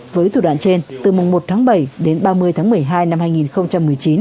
với thủ đoạn trên từ mùng một tháng bảy đến ba mươi tháng một mươi hai năm hai nghìn một mươi chín